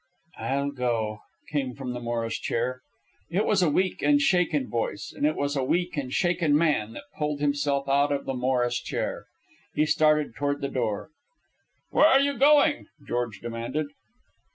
"I'll go," came from the Morris chair. It was a weak and shaken voice, and it was a weak and shaken man that pulled himself out of the Morris chair. He started toward the door. "Where are you going?" George demanded.